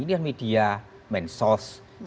supaya media itu bisa menjadi media mensos